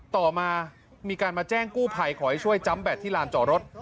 ต่อมามีการมาแจ้งกู้ภัยขอให้ช่วยจำแบตที่ลานจอดรถ